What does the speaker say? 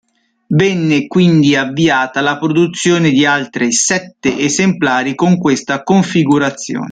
Venne quindi avviata la produzione di altri sette esemplari con questa configurazione.